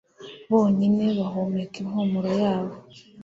Bonyine bahumeka impumuro yayo